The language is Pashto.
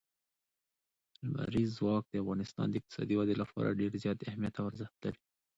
لمریز ځواک د افغانستان د اقتصادي ودې لپاره ډېر زیات اهمیت او ارزښت لري.